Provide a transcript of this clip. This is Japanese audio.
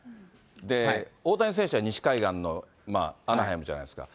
で、大谷選手は西海岸のアナハイムじゃないですか。